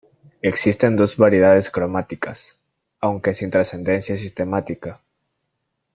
Existen dos variedades cromáticas, aunque sin trascendencia sistemática.